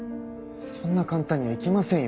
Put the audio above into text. そんな簡単にはいきませんよ